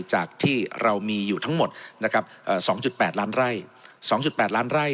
จากที่เรามีอยู่ทั้งหมดนะครับเอ่อสองจุดแปดล้านไร่สองจุดแปดล้านไร่